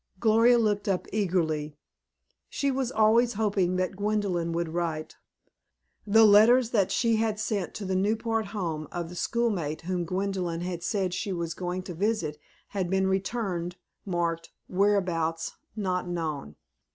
Gloria looked up eagerly. She was always hoping that Gwendolyn would write. The letters that she had sent to the Newport home of the schoolmate whom Gwendolyn had said that she was going to visit, had been returned, marked "Whereabouts not known."